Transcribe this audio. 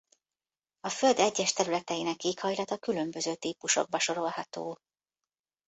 A Föld egyes területeinek éghajlata különböző típusokba sorolható.